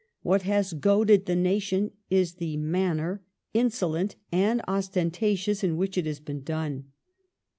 What has goaded the nation is the manner, insolent and ostentatious, in which it has been done."